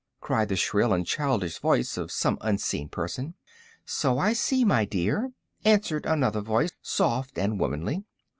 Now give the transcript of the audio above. cried the shrill and childish voice of some unseen person. "So I see, my dear," answered another voice, soft and womanly.